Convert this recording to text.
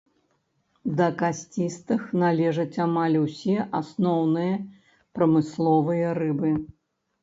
Да касцістых належаць амаль усе асноўныя прамысловыя рыбы.